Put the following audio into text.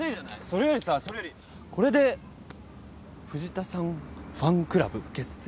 それよりさそれよりこれで藤田さんファンクラブ結成だね。